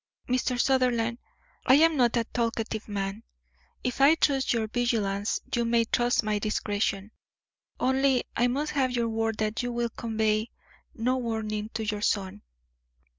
"Mr. Sutherland, I am not a talkative man. If I trust your vigilance you may trust my discretion. Only I must have your word that you will convey no warning to your son."